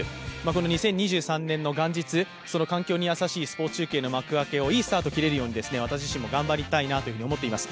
この２０２３年の元日、環境に優しいスポ−ツ中継の幕開けをいいスタート切れるように私自身も頑張りたいなと思っています。